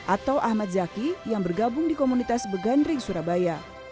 atau ahmad zaki yang bergabung di komunitas begandring surabaya